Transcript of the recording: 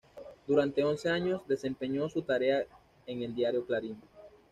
Durante once años desempeñó su tarea en el diario Clarín.